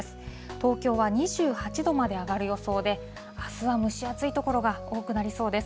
東京は２８度まで上がる予想で、あすは蒸し暑い所が多くなりそうです。